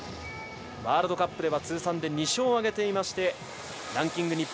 ワールドカップで通算２勝を挙げていてランキング